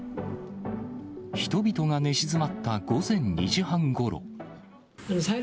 人々が寝静まった午前２時半ごろ。